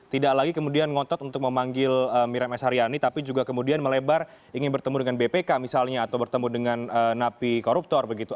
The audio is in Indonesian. tidak lagi kemudian ngotot untuk memanggil miriam s haryani tapi juga kemudian melebar ingin bertemu dengan bpk misalnya atau bertemu dengan napi koruptor begitu